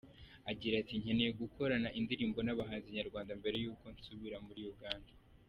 Agira ati “Nkeneye gukorana indirimbo n’abahanzi nyarwanda mbere y’uko nsubira muri Uganda.